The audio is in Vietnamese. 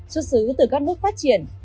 xuất xứ từ các nước phát triển